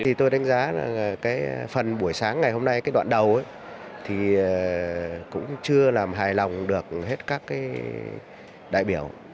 thì tôi đánh giá là cái phần buổi sáng ngày hôm nay cái đoạn đầu thì cũng chưa làm hài lòng được hết các đại biểu